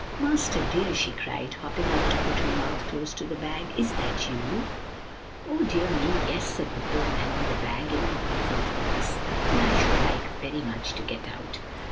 'Master, dear,' she cried, hopping up to put her mouth close to the bag, 'is that you?' "'Oh, dear me, yes!' said the poor man in the bag, in a muffled voice, 'and I should like very much to get out.